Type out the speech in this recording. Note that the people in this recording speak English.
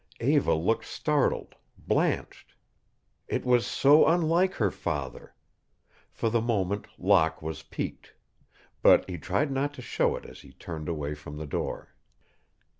Eva looked startled, blanched. It was so unlike her father. For the moment Locke was piqued. But he tried not to show it as he turned away from the door.